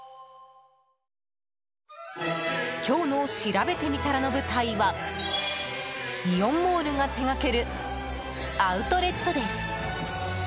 今日のしらべてみたらの舞台はイオンモールが手掛けるアウトレットです。